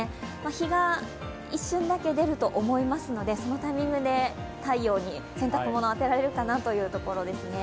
日が一瞬だけ出ると思いますのでそのタイミングで太陽に洗濯物を当てられるかなというところですね。